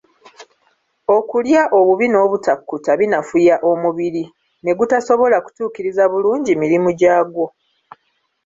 Okulya obubi n'obutakkuta bunafuya omubiri, ne gutasobola kutuukiriza bulungi mirimu gyagwo.